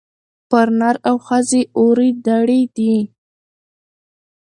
پر نر او ښځي اوري دُرې دي